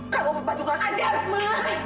kamu berpatukan ajar ma